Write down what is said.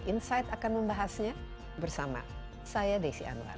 insight akan membahasnya bersama saya desi anwar